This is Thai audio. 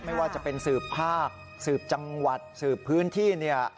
ไม่ว่าจะเป็นสืบภาคสืบจังหวัดสืบพื้นที่เนี่ย